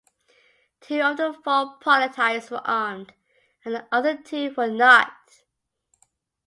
Two of the four prototypes were armed, and the other two were not.